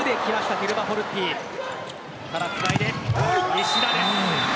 西田です。